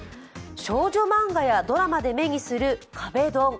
少女漫画やドラマで目にする壁ドン。